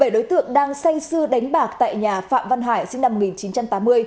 một mươi bảy đối tượng đang say sư đánh bạc tại nhà phạm văn hải sinh năm một nghìn chín trăm tám mươi